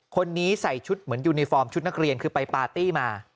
คนนี้ใส่ชุดเหมือนยูนิฟอร์มชุดนักเรียนคือไปปาร์ตี้มา